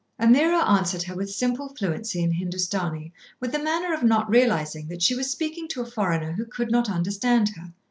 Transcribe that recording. Ameerah answered her with simple fluency in Hindustani, with her manner of not realising that she was speaking to a foreigner who could not understand her.